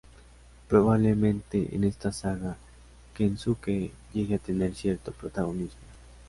Probablemente, en esta saga, Kensuke llegue a tener cierto protagonismo.